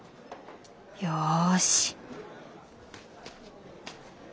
よし。